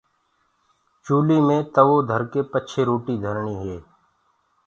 چوليٚ مي تَوو ڌرڪي پڇي روٽيٚ ڌرڻيٚ هي